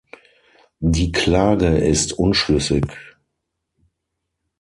Die Klage ist unschlüssig.